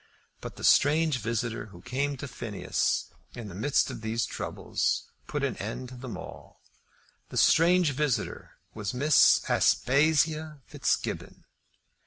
But the strange visitor who came to Phineas in the midst of these troubles put an end to them all. The strange visitor was Miss Aspasia Fitzgibbon.